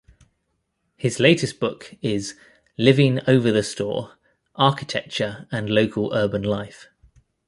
His latest book is Living Over the Store: Architecture and Local Urban Life.